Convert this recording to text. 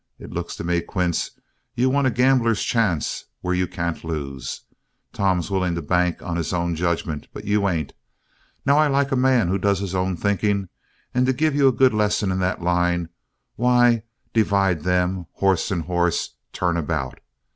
It looks to me, Quince, you want a gambler's chance where you can't lose. Tom's willing to bank on his own judgment, but you ain't. Now, I like a man who does his own thinking, and to give you a good lesson in that line, why, divide them, horse and horse, turn about.